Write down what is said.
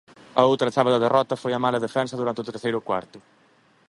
A outra chave da derrota foi a mala defensa durante o terceiro cuarto.